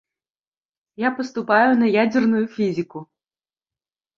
Я паступаю на ядзерную фізіку.